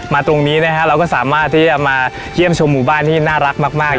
ตรงนี้นะฮะเราก็สามารถที่จะมาเยี่ยมชมหมู่บ้านที่น่ารักมาก